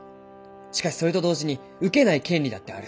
しかしそれと同時に受けない権利だってある。